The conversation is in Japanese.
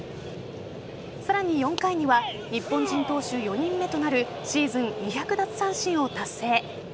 さらに４回には日本人投手４人目となるシーズン２００奪三振を達成。